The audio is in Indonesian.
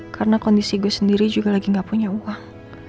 karena kondisi gue sendiri juga lagi gak punya uang